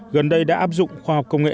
gần đây đã áp dụng khoa học công nghệ